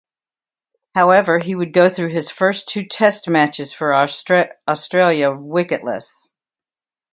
However, he would go through his first two Test matches for Australia wicketless.